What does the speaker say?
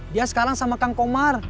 dia sekarang sama kang komar